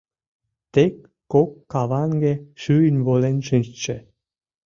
Тек кок каванге шӱйын волен шичше.